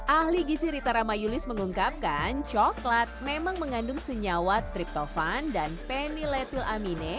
ahli gisi rita ramayulis mengungkapkan coklat memang mengandung senyawa triptofan dan penyeletilamine